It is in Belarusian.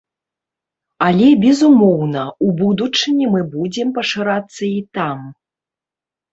Але, безумоўна, у будучыні мы будзем пашырацца і там.